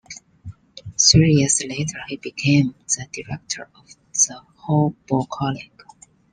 Three years later, he became the director of the Hobo College.